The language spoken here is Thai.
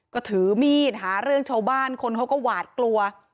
ก็ถือมีดหาเรื่องชาวบ้านคนเขาก็หวาดกลัว